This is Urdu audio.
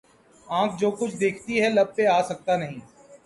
آنکھ جو کچھ دیکھتی ہے لب پہ آ سکتا نہیں